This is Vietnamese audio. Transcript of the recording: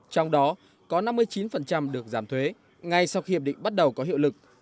trong đó có năm mươi chín được giảm thuế ngay sau khi hiệp định bắt đầu có hiệu lực